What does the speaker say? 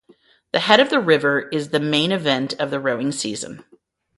The Head of the River is the main event of the rowing season.